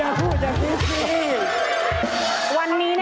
อย่าพูดอย่างนี้สิ